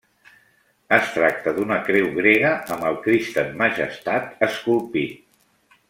Es tracta d'una creu grega amb el Crist en Majestat esculpit.